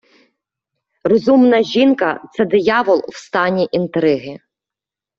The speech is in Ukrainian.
Розумна жінка - це диявол в стані інтриги